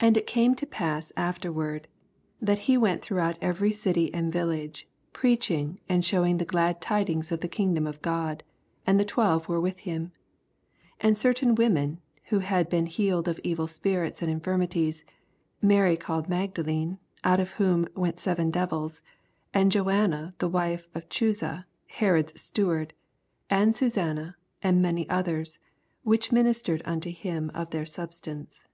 1 And it came to pass afterward, that he went throughout every city and village^ preaching and shewinc^ the glad tidings of uie kingdom or God : and the twelve were iMth hun, 2 And certain women, which had been healed of evil spirits and infir mities, Mary called Magdalene, out of whom went seven de^ls, 3 And Joanna the wife of Ohuaa, Herod^s steward^ and Susanna, and many others, which ministered unt^ him of their substance.